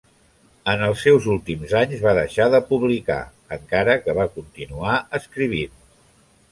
En els seus últims anys va deixar de publicar, encara que va continuar escrivint.